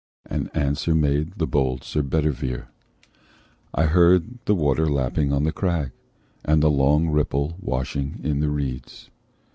And answer made the bold Sir Bedivere: "I heard the water lapping on the crag, And the long ripple washing in the reeds."